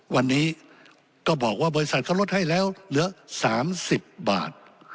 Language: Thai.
วันนี้ก็บอกว่าบริษัทเขาลดให้แล้วเหลือ๓๐บาท